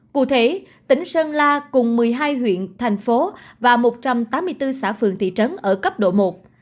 cụ thể tỉnh sơn la cùng một mươi hai huyện thành phố và một trăm tám mươi bốn xã phường thị trấn ở cấp độ một